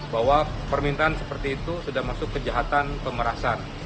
bahwa permintaan seperti itu sudah masuk kejahatan pemerasan